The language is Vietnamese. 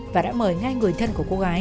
và đã mời ngay người thân của cô gái